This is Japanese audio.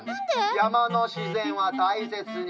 やまのしぜんはたいせつに。